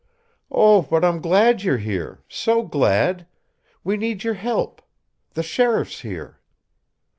"Oh, but I'm glad you're here so glad! We need your help. The sheriff's here."